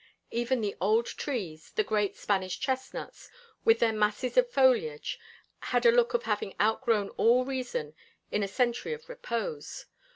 Even the old trees, the great Spanish chestnuts, with their masses of foliage, had a look of having outgrown all reason in a century of repose.